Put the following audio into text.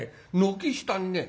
軒下にね